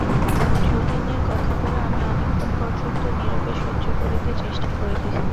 যোগেনের কথাগুলো আমি অনেকক্ষণ পর্যন্ত নীরবে সহ্য করিতে চেষ্টা করিতেছি।